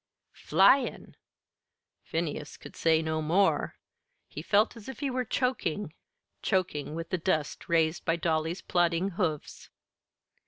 "'Flyin'!'" Phineas could say no more. He felt as if he were choking, choking with the dust raised by Dolly's plodding hoofs.